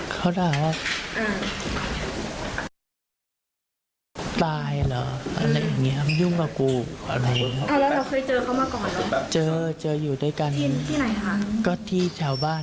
เพื่อเจอเจออยู่ด้วยกันที่แถวบ้าน